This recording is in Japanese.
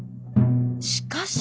しかし。